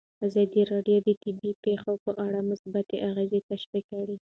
ازادي راډیو د طبیعي پېښې په اړه مثبت اغېزې تشریح کړي.